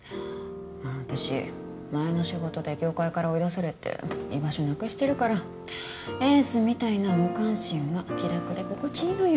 私前の仕事で業界から追い出されて居場所なくしてるからエースみたいな無関心は気楽で心地いいのよ